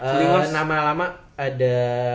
oh ini nama lama ada